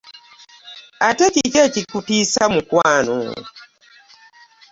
Ate kiki ekikuteeso mukwano?